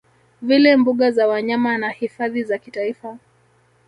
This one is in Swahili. vile mbuga za wanyama na Hifadhi za kitaifa